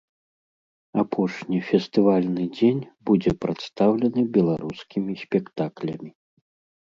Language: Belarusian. Апошні фестывальны дзень будзе прадстаўлены беларускімі спектаклямі.